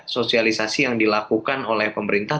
sosialisasi yang dilakukan oleh pemerintah